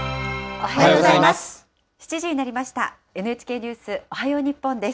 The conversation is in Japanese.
おはようございます。